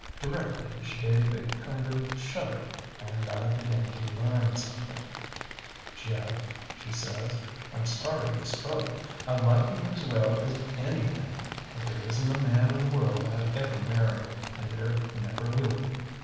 Directly she gave a kind of shudder, and I began to learn something. ŌĆ£ŌĆśJeff, ŌĆÖ she says, ŌĆśIŌĆÖm sorry you spoke. I like you as well as any of them, but there isnŌĆÖt a man in the world IŌĆÖd ever marry, and there never will be.